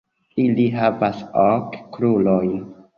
Ili havas ok krurojn.